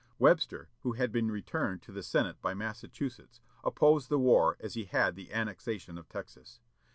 Webster, who had been returned to the Senate by Massachusetts, opposed the war as he had the annexation of Texas.